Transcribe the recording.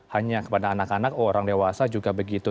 hanya kepada anak anak orang dewasa juga begitu